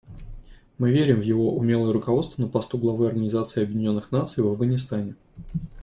Мы верим в его умелое руководство на посту главы Организации Объединенных Наций в Афганистане.